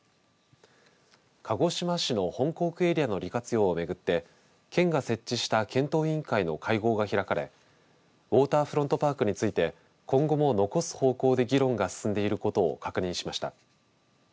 鹿児島市の本港区エリアの利活用を巡って県が設置した検討委員会の会合が開かれウォーターフロントパークについて、今後も残す方向で議論が進んでいることを確認しました。